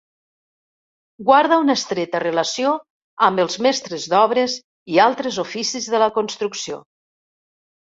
Guarda una estreta relació amb els mestres d'obres i altres oficis de la construcció.